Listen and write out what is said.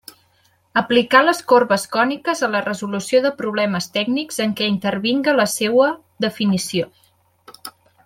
Aplicar les corbes còniques a la resolució de problemes tècnics en què intervinga la seua definició.